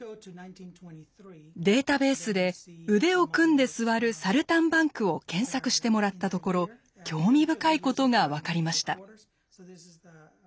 データベースで「腕を組んですわるサルタンバンク」を検索してもらったところ興味深いことが分かりました。